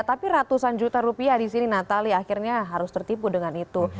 tapi ratusan juta rupiah di sini natali akhirnya harus tertipu dengan itu